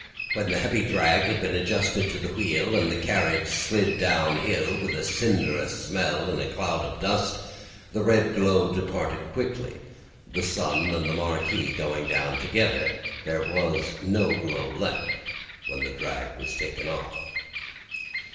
When the heavy drag had been adjusted to the wheel, and the carriage slid down hill, with a cinderous smell, in a cloud of dust, the red glow departed quickly; the sun and the Marquis going down together, there was no glow left when the drag was taken off.